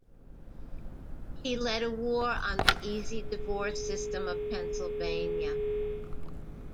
He led a war on the easy divorce system of Pennsylvania.